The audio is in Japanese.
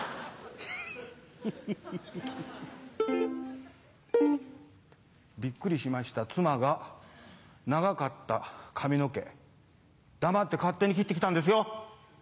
ひぃひぃひぃ。ビックリしました妻が長かった髪の毛黙って勝手に切って来たんですよ。